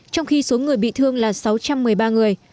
trong khi số người bị thương là sáu trăm một mươi ba người